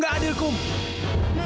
ada apa lagi mereka kemari